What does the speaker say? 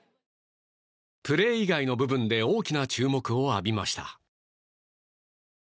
プレー以外の部分で大きな注目を浴びました。